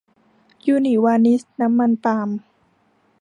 ยูนิวานิชน้ำมันปาล์ม